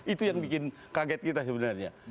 itu yang bikin kaget kita sebenarnya